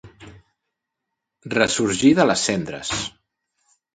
Ressorgir de les cendres